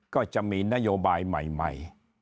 ก็จะมีนโยบายใหม่